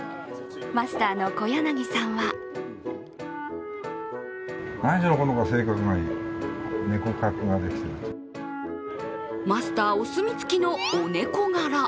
マスターの小柳さんはマスターお墨付きのお猫柄。